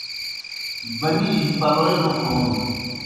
بنی جیْ پلوئے لُکھون